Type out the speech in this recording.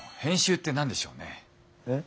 えっ？